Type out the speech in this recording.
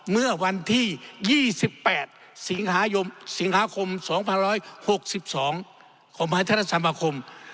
เมื่อวันที่๒๘สิงหาคม๒๑๖๒ของมหาธรรมคม